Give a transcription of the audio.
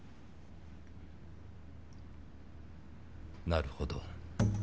なるほど。